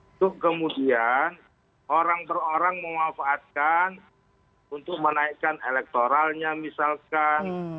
untuk kemudian orang per orang memanfaatkan untuk menaikkan elektoralnya misalkan